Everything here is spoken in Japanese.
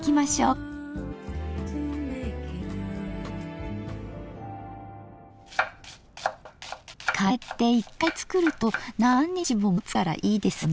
カレーって１回作ると何日ももつからいいですよね。